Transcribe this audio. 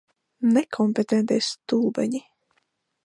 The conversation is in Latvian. Nekompetentie stulbeņi.